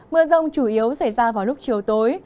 mưa rông chủ yếu xảy ra vào lúc chiều tối